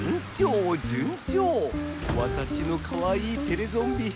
わたしのかわいいテレゾンビ。